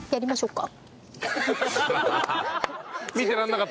見てられなかった。